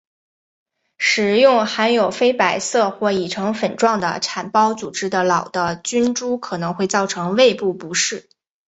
食用含有非白色或已成粉状的产孢组织的老的菌株可能会造成胃部不适。